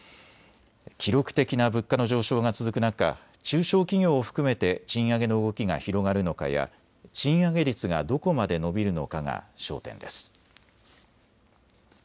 記録的な物価の上昇が続く中、中小企業を含めて賃上げの動きが広がるのかや賃上げ率がどこまで伸びるのかが焦点です。